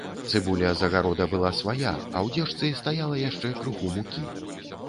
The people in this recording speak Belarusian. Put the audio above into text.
Цыбуля з агарода была свая, а ў дзежцы стаяла яшчэ крыху мукі.